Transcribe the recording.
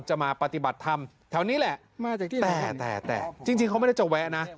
มาปฏิบัติธรรมแถวนี้แหละแต่แต่จริงเขาไม่ได้จะแวะนะ